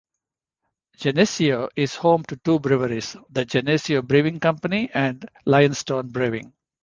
Geneseo is home to two breweries: the Geneseo Brewing Company and Lionstone Brewing.